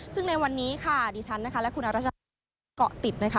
ซึ่งในวันนี้ค่ะดิฉันนะคะและคุณอรัชเกาะติดนะคะ